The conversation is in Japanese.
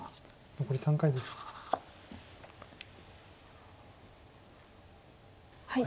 残り３回です。